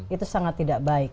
itu sangat tidak baik